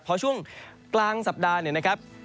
พอช่วงกลางสัปดาห์เนี่ยนะครับ